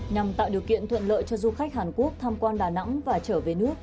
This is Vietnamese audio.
nhằm tạo điều kiện thuận lợi cho du khách hàn quốc tham quan đà nẵng và trở về nước